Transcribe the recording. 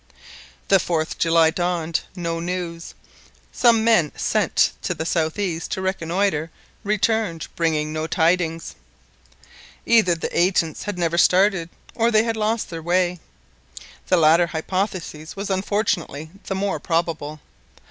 The 4th July dawned. No news! Some men sent to the southeast to reconnoitre, returned, bringing no tidings. Either the agents had never started, or they had lost their way. The latter hypothesis was unfortunately the more probable.